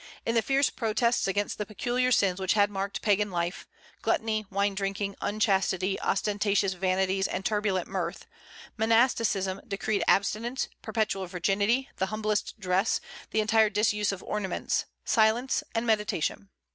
In the fierce protests against the peculiar sins which had marked Pagan life, gluttony, wine drinking, unchastity, ostentatious vanities, and turbulent mirth, monasticism decreed abstinence, perpetual virginity, the humblest dress, the entire disuse of ornaments, silence, and meditation.